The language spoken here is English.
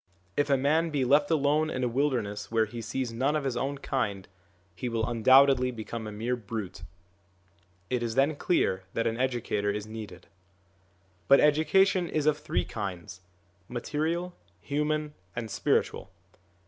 If a man be left alone in a wilderness where he sees none of his own kind, he will undoubtedly become a mere brute ; it is then clear that an educator is needed. But education is of three kinds: material, human, and spiritual.